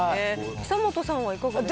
久本さんはいかがですか？